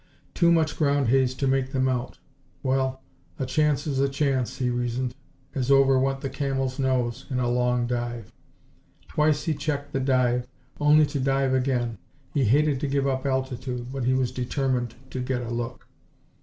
Too much ground haze to make them out. Well, a chance is a chance, he reasoned, as over went the Camel's nose in a long dive. Twice he checked the dive, only to dive again. He hated to give up altitude, but he was determined to get a look.